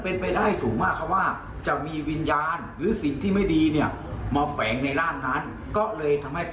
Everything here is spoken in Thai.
ต้องมีสัมภเวษีเข้าไปอยู่ในตัวพ่อเขา